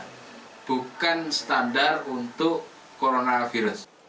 ini adalah pasien standar untuk coronavirus